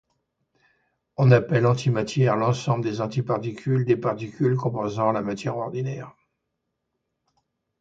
On appelle antimatière l'ensemble des antiparticules des particules composant la matière ordinaire.